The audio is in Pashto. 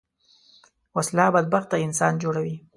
وسله بدبخته انسان جوړوي